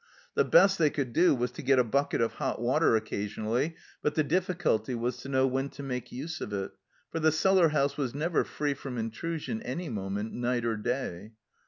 The best they could do was to get a bucket of hot water occa sionally, but the difficulty was to know when to make use of it, for the cellar house was never free from intrusion any moment, night or day.